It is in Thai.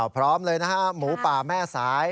พร้อมเลยนะฮะหมูป่าแม่สาย